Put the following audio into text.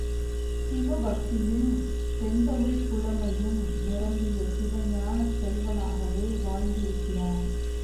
சிவபக்தியும் செந்தமிழ்ப் புலமையும் நிரம்பிய சிவஞானச் செல்வனாகவே வாழ்ந்திருக்கிறான்.